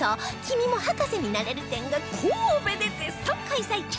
「君も博士になれる展」が神戸で絶賛開催中！